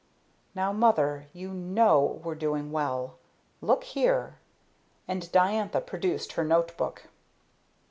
"Now, mother, you know we're doing well. Look here!" And Diantha produced her note book.